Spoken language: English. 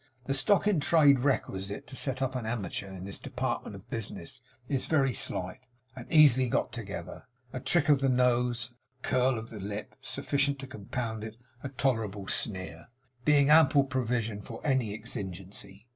The stock in trade requisite to set up an amateur in this department of business is very slight, and easily got together; a trick of the nose and a curl of the lip sufficient to compound a tolerable sneer, being ample provision for any exigency.